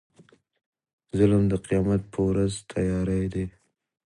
ظلم د قيامت په ورځ تيارې دي